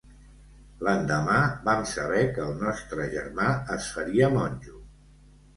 L'endemà vam saber que el nostre germà es faria monjo.